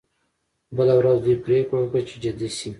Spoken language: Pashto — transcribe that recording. بله ورځ دوی پریکړه وکړه چې جدي شي